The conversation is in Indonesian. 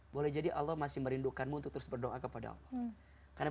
boleh jadi allah masih merindukanmu untuk terus berdoa kepada allah